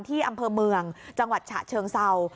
ที่อำเภอเมืองจังหวัดฉะเชิงเศร้า